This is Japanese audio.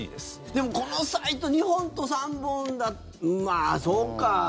でも、このサイトウ２本と３本だったらうーん、まあそうか。